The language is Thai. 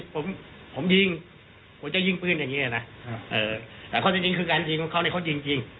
ผมผมยิงผมจะยิงปืนอย่างนี้นะแต่ข้อที่จริงคือการยิงของเขาเนี่ยเขายิงจริง